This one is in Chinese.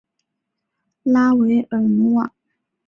拉韦尔努瓦。